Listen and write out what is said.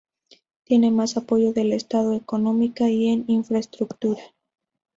Tiene más apoyo del estado: económica y en infraestructura.